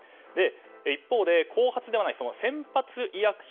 一方で後発ではない先発医薬品